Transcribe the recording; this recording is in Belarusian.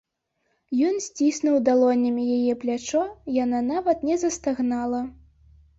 Ён сціснуў далонямі яе плячо, яна нават не застагнала.